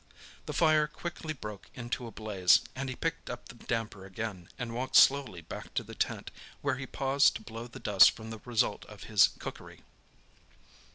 The fire quickly broke into a blaze, and he picked up the damper again, and walked slowly back to the tent, where he paused to blow the dust from the result of his cookery.